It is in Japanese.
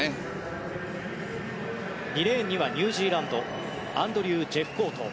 ２レーンにはニュージーランドアンドリュー・ジェフコート。